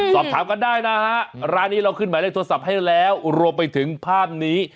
สอบถามกันได้นะฮะร้านนี้เราขึ้นหมายเลขโทรศัพท์ให้แล้วรวมไปถึงภาพนี้